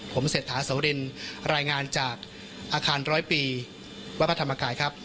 ผมเศรษฐาโสรินรายงานจากอาคารร้อยปีวัดพระธรรมกายครับ